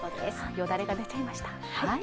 よだれが出ちゃいました。